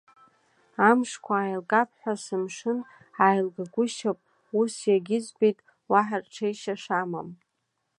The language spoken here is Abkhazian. Амшқәа ааилгап ҳәа сымшын, иааилгагәышьап, ус иагьызбеит уаҳа рҽеишьа шамам.